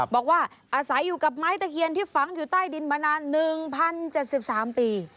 บอกว่าอาศัยอยู่กับไม้ตะเคียนที่ฝังอยู่ใต้ดินมานาน๑๐๗๓ปี